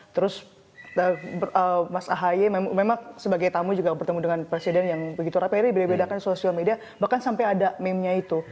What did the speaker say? terus mas ahaye memang sebagai tamu juga bertemu dengan presiden yang begitu rape ini beda bedakan sosial media bahkan sampai ada meme nya itu